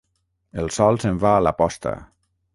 El sol se'n va a la posta.